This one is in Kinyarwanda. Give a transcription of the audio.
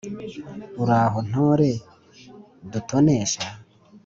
Uraho ntore dutonesha